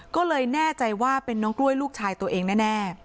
ก็เลยแน่ใจว่าเป็นน้องกล้วยลูกชายตัวเองแน่